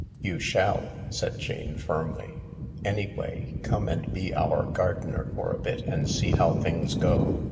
"You shall," said Jane firmly. "Anyway, come and be our gardener for a bit and see how things go.